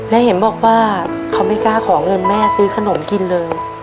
และเห็นบอกว่าเขาไม่กล้าขอเงินแม่ซื้อขนมกินเลย